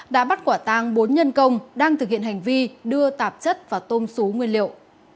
đã bắt quả tang bốn nhân công đang thực hiện hành vi đưa tạp chất vào tôm xú nguyên liệu